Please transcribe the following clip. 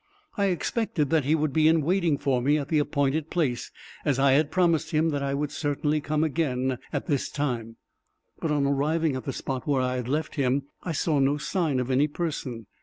I expected that he would be in waiting for me at the appointed place, as I had promised him that I would certainly come again, at this time: but on arriving at the spot where I had left him, I saw no sign of any person.